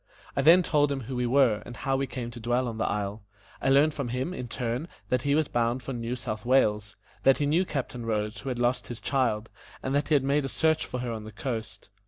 I then told him who we were, and how we came to dwell on the isle. I learned from him, in turn, that he was bound for New South Wales; that he knew Captain Rose, who had lost his child, and that he had made a search for her on the coast.